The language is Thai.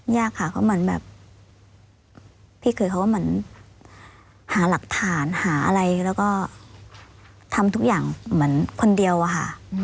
ยากค่ะก็เหมือนแบบพี่เคยเขาก็เหมือนหาหลักฐานหาอะไรแล้วก็ทำทุกอย่างเหมือนคนเดียวอะค่ะ